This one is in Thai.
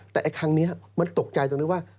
แต่ครั้งนี้มันตกใจตรงที่ว่า